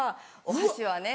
お箸はね